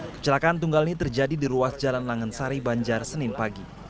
kecelakaan tunggal ini terjadi di ruas jalan langensari banjar senin pagi